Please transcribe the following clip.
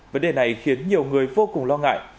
vấn đề này khiến nhiều người vô cùng lo ngại